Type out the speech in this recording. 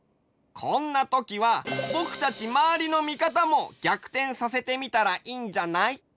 こんなときはぼくたちまわりの見方も逆転させてみたらいいんじゃない？